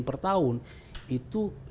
per tahun itu